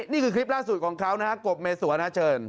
นี่คือคลิปล่าสุดของเขากบเมสวน